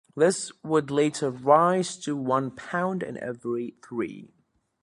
This would later rise to one pound in every three.